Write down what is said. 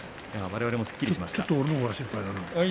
われわれもすっきりしました。